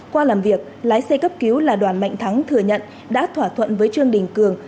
qua làm việc lái xe cấp cứu là đoàn mạnh thắng thừa nhận đã thỏa thuận với trương đình cường